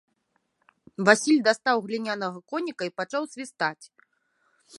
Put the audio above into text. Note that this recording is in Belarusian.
Васіль дастаў глінянага коніка і пачаў свістаць.